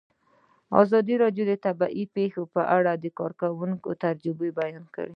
ازادي راډیو د طبیعي پېښې په اړه د کارګرانو تجربې بیان کړي.